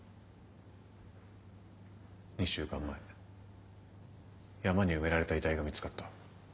２週間前山に埋められた遺体が見つかった。